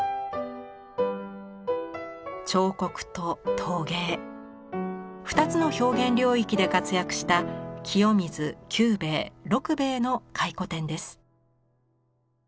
彫刻と陶芸２つの表現領域で活躍した清水九兵衞六兵衞の回顧展です。